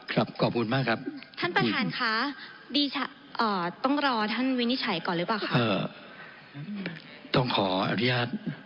ครับขอบคุณมากครับท่านประธานค่ะอ่าต้องรอท่านวินิชัยก่อนหรือเปล่าครับ